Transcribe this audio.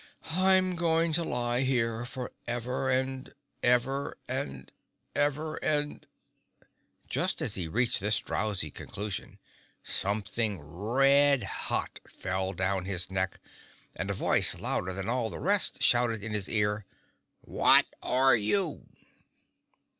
"I'm going to lie here forever and—ever—and ever—and—" Just as he reached this drowsy conclusion, something red hot fell down his neck and a voice louder than all the rest shouted in his ear. "_What are you?